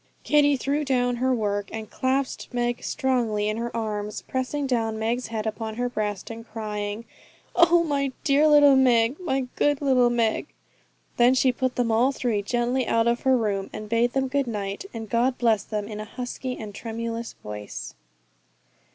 Kitty threw down her work, and clasped Meg strongly in her arms, pressing down Meg's head upon her breast, and crying, 'Oh, my dear little Meg! My good little Meg!' Then she put them all three gently out of her room, and bade them good night and God bless them, in a husky and tremulous voice.